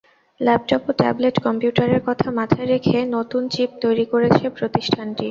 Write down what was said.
Laptop ও tablet কম্পিউটারের কথা মাথায় রেখে নতুন চিপ তৈরি করছে প্রতিষ্ঠানটি।